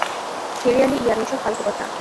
Serially, ইয়ান, এসব ফালতু কথা।